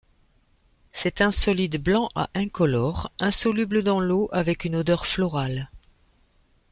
C'est un solide blanc à incolore, insoluble dans l'eau avec une odeur florale.